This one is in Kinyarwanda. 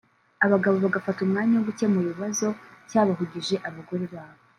abagabo bagafata umwanya wo gukemura ikibazo cyabahugije abagore babo